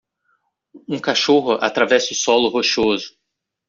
Um cachorro atravessa o solo rochoso.